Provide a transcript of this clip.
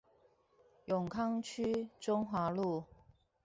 永康區中華路